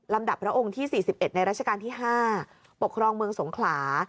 ดับพระองค์ที่๔๑ในราชการที่๕ปกครองเมืองสงขลา